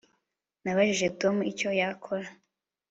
Nabajije Tom icyo yakora